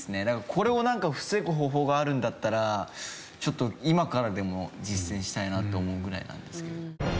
これをなんか防ぐ方法があるんだったらちょっと今からでも実践したいなって思うぐらいなんですけど。